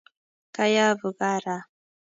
Kayabu gaa raa.